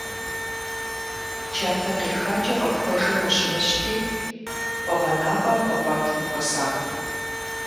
Джатэ къихакӀэ къыпхуэжэм ущымыщти, къуэгъэнапӀэм къыкъуэтым хуэсакъ.